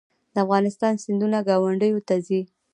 د افغانستان سیندونه ګاونډیو ته ځي